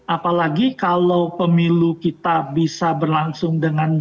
apalagi kalau pemilu kita bisa berlangsung dengan baik